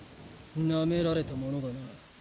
なめられたものだな。